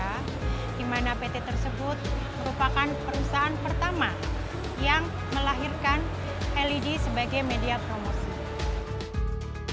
di mana pt tersebut merupakan perusahaan pertama yang melahirkan led sebagai media promosi